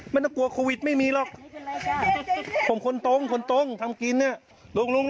พอไปจัดการให้ลุง